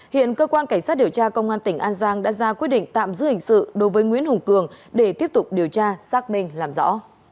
hiện cơ quan cảnh sát điều tra công an tỉnh an giang đã ra quyết định tạm giữ hình sự đối với nguyễn hùng cường để tiếp tục điều tra xác minh làm rõ